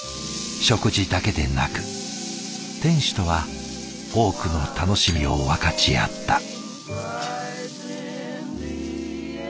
食事だけでなく店主とは多くの楽しみを分かち合った。